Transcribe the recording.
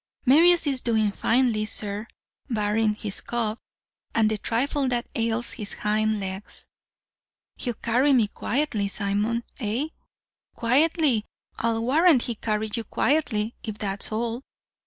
"'Marius is doing finely, sir, barring his cough, and the trifle that ails his hind legs.' "'He'll carry me quietly, Simon; eh?' "'Quietly! I'll warrant he'll carry you quietly, if that's all.'